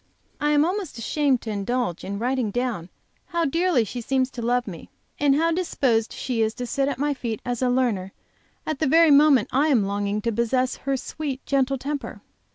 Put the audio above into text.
I am almost ashamed to indulge in writing down how dearly she seems to love me, and how disposed she is to sit at my feet as a learner at the very moment I am longing to possess her sweet, gentle temper.